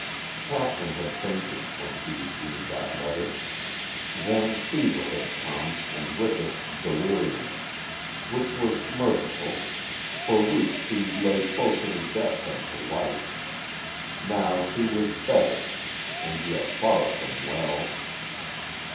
Kathryn had fainted, when she received that letter. Then fever had come, and with it, delirium. Which was merciful. For weeks she lay closer to death than to life.... Now she was better; and yet far from well.